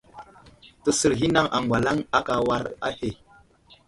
Təsər ghinaŋ aŋgwalaŋ aka war ahe.